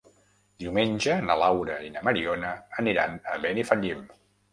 Diumenge na Laura i na Mariona aniran a Benifallim.